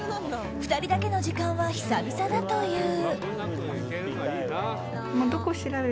２人だけの時間は久々だという。